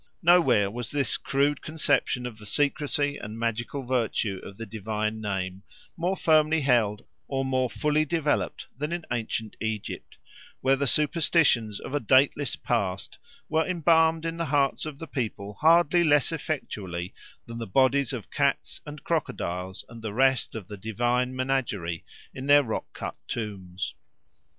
Nowhere was this crude conception of the secrecy and magical virtue of the divine name more firmly held or more fully developed than in ancient Egypt, where the superstitions of a dateless past were embalmed in the hearts of the people hardly less effectually than the bodies of cats and crocodiles and the rest of the divine menagerie in their rock cut tombs.